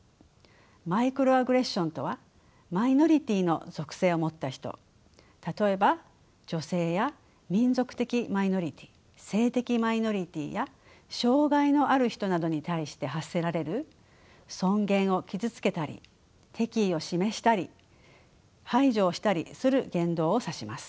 マイクロアグレッションとはマイノリティーの属性を持った人例えば女性や民族的マイノリティー性的マイノリティーや障害のある人などに対して発せられる尊厳を傷つけたり敵意を示したり排除をしたりする言動を指します。